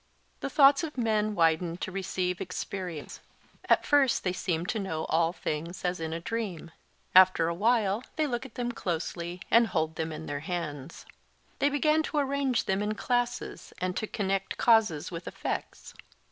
The thoughts of men widened to receive experience; at first they seemed to know all things as in a dream: after a while they look at them closely and hold them in their hands. They begin to arrange them in classes and to connect causes with effects.